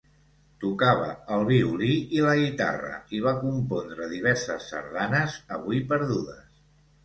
Tocava el violí i la guitarra i va compondre diverses sardanes, avui perdudes.